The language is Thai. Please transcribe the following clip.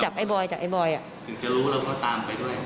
ไอ้บอยจับไอ้บอยอ่ะถึงจะรู้เราก็ตามไปด้วย